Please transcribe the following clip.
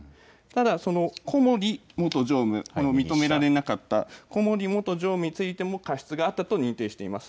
ただ、小森元常務、この認められなかった、小森元常務についても過失があったと認定しています。